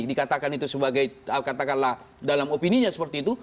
dikatakan itu sebagai katakanlah dalam opininya seperti itu